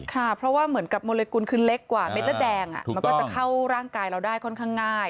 ค่ะเพราะว่าเหมือนกับโมลิกุลคือเล็กกว่าเม็ดและแดงมันก็จะเข้าร่างกายเราได้ค่อนข้างง่าย